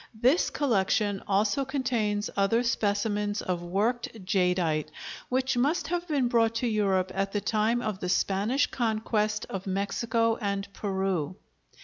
This collection also contains other specimens of worked jadeite, which must have been brought to Europe at the time of the Spanish conquest of Mexico and Peru.